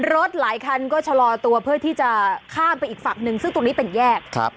หลายคันก็ชะลอตัวเพื่อที่จะข้ามไปอีกฝั่งหนึ่งซึ่งตรงนี้เป็นแยกครับ